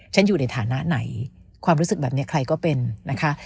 อยู่ในฐานะไหนความรู้สึกแบบนี้ใครก็เป็นนะคะ